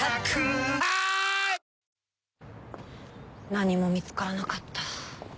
何も見つからなかった。